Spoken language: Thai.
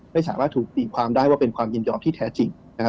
ไม่สามารถถูกตีความได้ว่าเป็นความยินยอมที่แท้จริงนะครับ